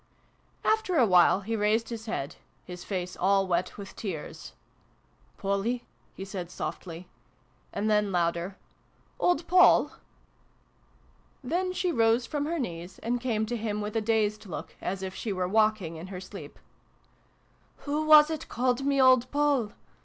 After a while he raised his head his face all wet with tears. " Polly !" he said softly ; and then, louder, " Old Poll !" Then she rose from her knees and came to him, with a dazed look, as if she were walk ing in her sleep. " Who was it called me old Poll